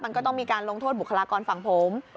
มันก็ต้องมีการลงโทษบุคลากรฝั่งผม